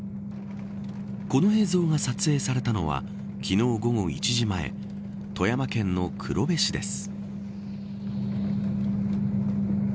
この映像が撮影されたのは昨日、午後１時前富山県の黒部市です。